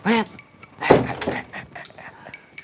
ibu mau manggil lagi